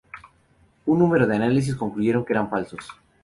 Un número de análisis concluyeron que eran falsos.